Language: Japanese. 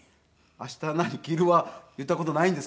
「明日何着る？」は言った事ないんですけど。